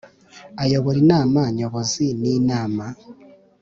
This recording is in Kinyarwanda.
Ayobora Inama Nyobozi n Inama